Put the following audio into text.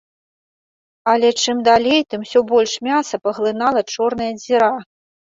Але чым далей, тым усё больш мяса паглынала чорная дзіра.